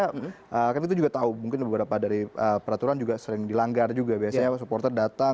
karena itu juga tahu mungkin beberapa dari peraturan juga sering dilanggar juga biasanya supporter datang